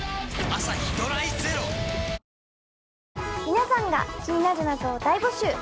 皆さんが気になる謎を大募集。